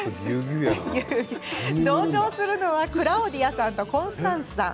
同乗するのはクラオディアさんとコンスタンスさん。